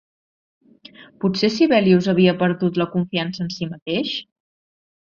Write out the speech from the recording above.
Potser Sibelius havia perdut la confiança en si mateix?